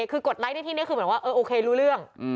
คือกดไลค์ในที่นี้คือเหมือนว่าโอเครู้เรื่อง